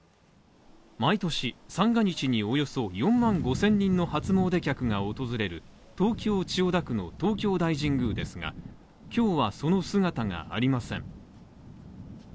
毎年三が日におよそ４万５０００人の初詣客が訪れる東京・千代田区の東京大神宮ですが、今日はその姿がありません。